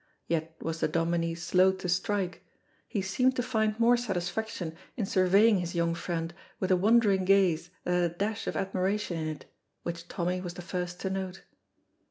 Yet was the Dominie slow to strike; he seemed to find more satisfaction in surveying his young friend with a wondering gaze that had a dash of admiration in it, which Tommy was the first to note.